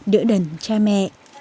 đỡ đẩn cha mẹ